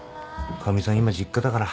かみさん今実家だから。